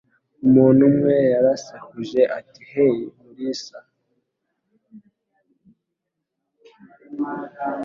Umuntu umwe yarasakuje ati: "Hey, Mulisa".